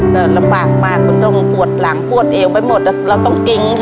ทับผลไม้เยอะเห็นยายบ่นบอกว่าเป็นยังไงครับ